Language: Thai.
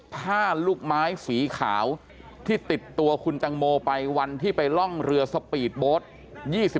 ผ้าลูกไม้สีขาวที่ติดตัวคุณตังโมไปวันที่ไปล่องเรือสปีดโบสต์